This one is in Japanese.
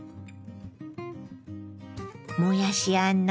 もやしあんの